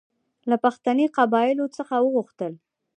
له پښتني قبایلو څخه وغوښتل.